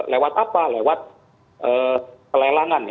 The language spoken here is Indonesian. lewat apa lewat pelelangan